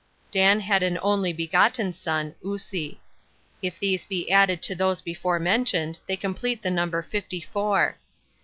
Dan had an only begotten son, Usi. If these be added to those before mentioned, they complete the number fifty four.